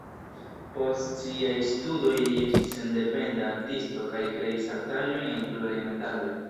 Post siaj studoj li estis sendependa artisto kaj kreis artaĵojn el pluraj metaloj.